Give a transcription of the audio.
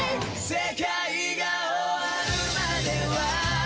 「世界が終わるまでは」